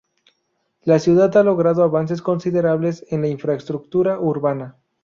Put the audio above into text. La ciudad, ha logrado avances considerables en la infraestructura urbana.